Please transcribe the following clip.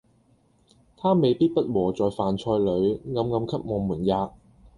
他未必不和在飯菜裏，暗暗給我們喫。